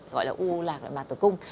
gọi là u lạc nội mạc tử cung